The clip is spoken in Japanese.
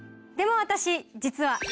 でも私実は。